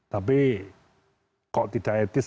tapi kalau tidak etis saya berpikir